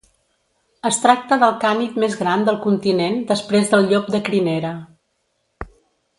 Es tracta del cànid més gran del continent després del llop de crinera.